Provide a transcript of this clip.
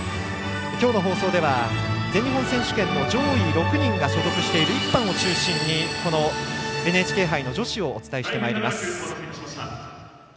きょうの放送では全日本選手権の上位６人が所属している１班を中心にＮＨＫ杯の女子をお伝えしてまいります。